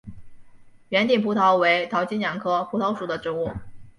圆顶蒲桃为桃金娘科蒲桃属的植物。